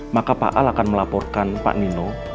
maka pak al akan melaporkan pak nino